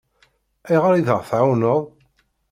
Ayɣer i d-aɣ-tɛawneḍ?